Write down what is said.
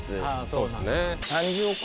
そうですね。